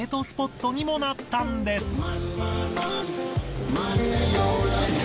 スポットにもなったんです。